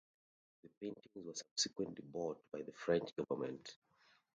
The paintings were subsequently bought by the French government.